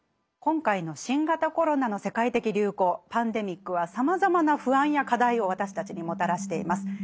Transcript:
今回の新型コロナの世界的流行パンデミックはさまざまな不安や課題を私たちにもたらしています。